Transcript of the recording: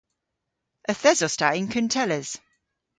Yth esos ta yn kuntelles.